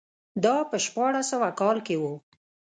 دا په شپاړس سوه کال کې و.